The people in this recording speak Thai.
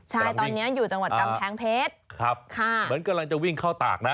ใช่ตอนนี้อยู่จังหวัดกำแพงเพชรครับค่ะเหมือนกำลังจะวิ่งเข้าตากนะ